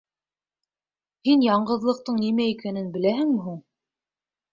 Һин яңғыҙлыҡтын нимә икәнен беләһеңме һуң?